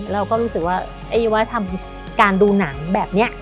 เราก็รู้สึกว่าไอ้วัฒนธรรมการดูหนังแบบนี้